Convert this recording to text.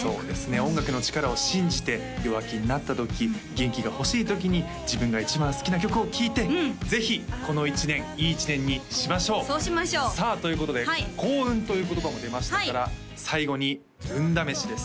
音楽の力を信じて弱気になった時元気が欲しい時に自分が一番好きな曲を聴いてぜひこの一年いい一年にしましょうそうしましょうさあということで幸運という言葉も出ましたから最後に運試しです